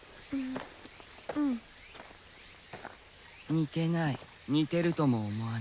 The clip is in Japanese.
似てない似てるとも思わない。